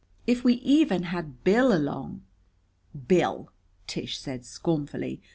"If we even had Bill along!" "Bill!" Tish said scornfully.